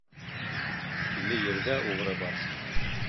Илле ерҙә уғры бар.